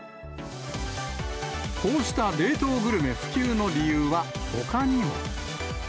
こうした冷凍グルメ普及の理由は、ほかにも。